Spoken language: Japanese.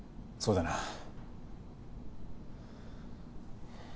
そうだな。